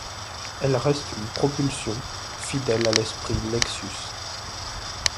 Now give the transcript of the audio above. Elle reste une propulsion, fidèle à l'esprit Lexus.